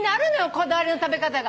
こだわりの食べ方が。